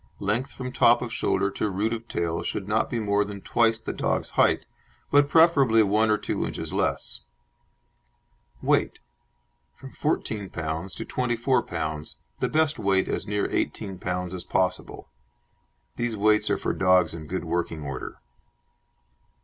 Length from top of shoulder to root of tail should not be more than twice the dog's height, but, preferably, one or two inches less. WEIGHT From 14 lb. to 24 lb. the best weight as near 18 lb. as possible. These weights are for dogs in good working order.